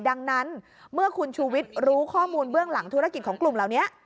ดังนั้นเมื่อคุณชูวิทย์รู้ข้อมูลเบื้องหลังธุรกิจของกลุ่มเหล่านี้